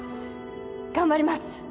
頑張ります！